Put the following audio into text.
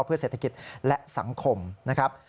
เพื่อเศรษฐกิจและสังคมนะครับ